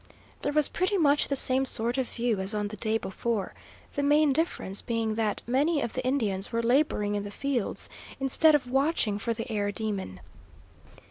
There was pretty much the same sort of view as on the day before, the main difference being that many of the Indians were labouring in the fields, instead of watching for the air demon.